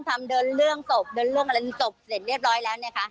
เดินเรื่องศพเดินเรื่องอะไรศพเสร็จเรียบร้อยแล้วเนี่ยค่ะ